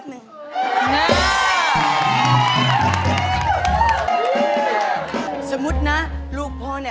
พ่อเชื่อมันในตัวลูกพ่อได้